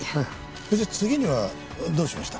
それで次にはどうしました？